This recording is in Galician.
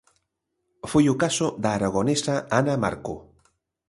Foi o caso da aragonesa Ana Marco.